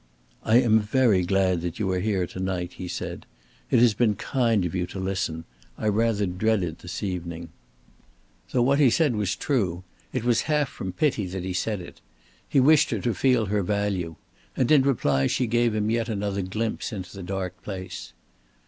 "I am very glad that you are here to night," he said. "It has been kind of you to listen. I rather dreaded this evening." Though what he said was true, it was half from pity that he said it. He wished her to feel her value. And in reply she gave him yet another glimpse into the dark place.